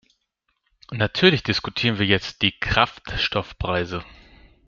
Natürlich diskutieren wir jetzt die Kraftstoffpreise.